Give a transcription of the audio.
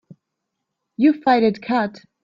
You fight it cut.